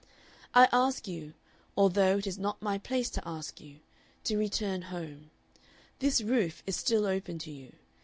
I ask you, although it is not my place to ask you, to return home. This roof is still open to you.